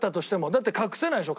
だって隠せないでしょ？